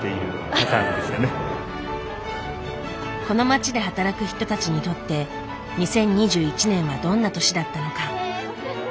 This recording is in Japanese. この街で働く人たちにとって２０２１年はどんな年だったのか。